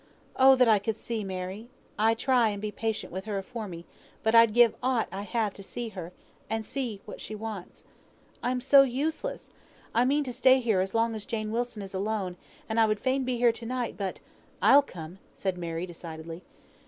Oh! that I could see, Mary! I try and be patient with her afore me, but I'd give aught I have to see her, and see what she wants. I am so useless! I mean to stay here as long as Jane Wilson is alone; and I would fain be here all to night, but " "I'll come," said Mary, decidedly.